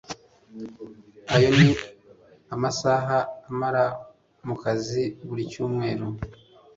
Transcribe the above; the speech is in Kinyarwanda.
ayo ni amasaha amara mu kazi buri cyumweru